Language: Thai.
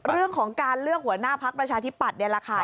เรื่องของการเลือกหัวหน้าพักประชาธิปัตย์นี่แหละค่ะ